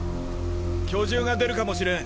巨獣が出るかもしれん。